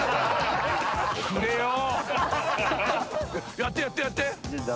やってやってやって！